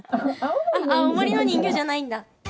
青森の人魚じゃないんだ。